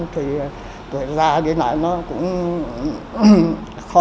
thì tuổi già đến nãy nó cũng khó khăn